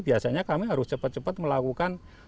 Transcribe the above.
biasanya kami harus cepat cepat melakukan